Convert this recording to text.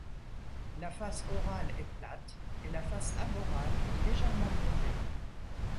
La face orale est plate, et la face aborale légèrement bombée.